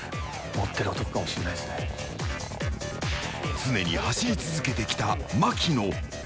常に走り続けてきた槙野。